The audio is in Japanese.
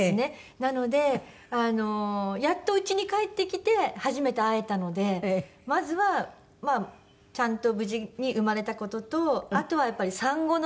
なのでやっとうちに帰ってきて初めて会えたのでまずはちゃんと無事に生まれた事とあとはやっぱり産後の。